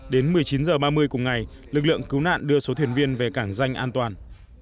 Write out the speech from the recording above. đến một mươi chín h ba mươi cùng ngày lực lượng cứu nạn đưa số thuyền viên về cảng danh an toàn